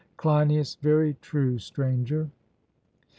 CLEINIAS: Very true, Stranger.